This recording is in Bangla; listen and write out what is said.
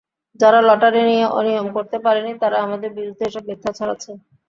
যারা লটারি নিয়ে অনিয়ম করতে পারেনি, তারা আমাদের বিরুদ্ধে এসব মিথ্যা ছড়াচ্ছে।